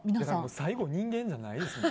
最後人間じゃないですよね。